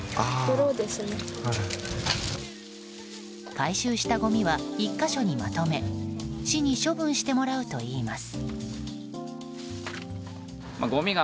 回収したごみは１か所にまとめ市に処分してもらうといいます。